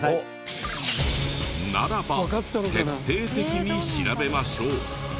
ならば徹底的に調べましょう。